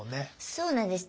そうなんです。